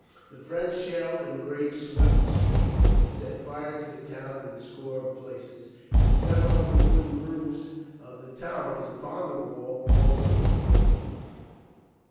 The French shell and grape swept the streets and set fire to the town in a score of places, and several of the wooden roofs of the towers upon the wall were also in flames.